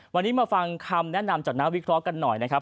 วันนี้มาฟังคำแนะนำจากนักวิเคราะห์กันหน่อยนะครับ